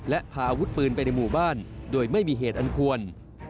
และพาอาวุธปืนไปในหมู่บ้านโดยไม่มีเหตุอันควร